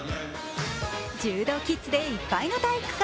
柔道キッズでいっぱいの体育館。